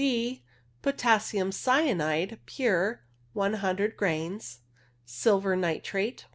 B. Potassium cyanide (pure) . loo grains Silver nitrate